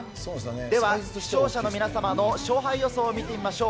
では、視聴者の皆様の勝敗予想を見てみましょう。